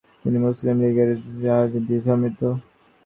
তিনি মুসলিম লীগের রাজনীতিতে সম্পৃক্ত।